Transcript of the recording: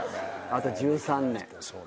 あと１３年。